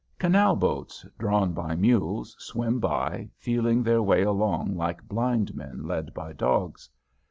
Canal boats, drawn by mules, swim by, feeling their way along like blind men led by dogs.